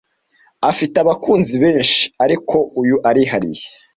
Afite abakunzi benshi, ariko uyu arihariye.